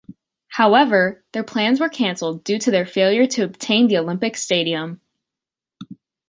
However, their plans were cancelled due to their failure to obtain the Olympic Stadium.